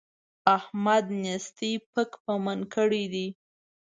احمد نېستۍ پک پمن کړی دی.